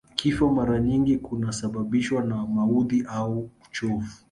Kifo mara nyingi kunasababishwa na maudhi au uchovu